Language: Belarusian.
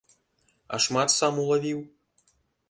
А шмат сам улавіў?